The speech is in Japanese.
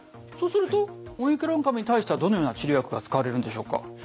そうするとオミクロン株に対してはどのような治療薬が使われるんでしょうか？